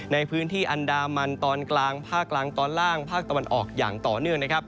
ในพื้นที่อันดามันตอนกลางภาคกลางตอนล่างภาคตะวันออกอย่างต่อเนื่องนะครับ